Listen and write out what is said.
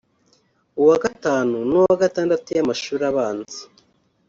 uwa gatanu n’uwa gatandatu y’amashuri abanza